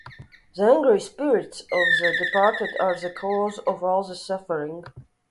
The angry spirits of the departed are the cause of all the suffering.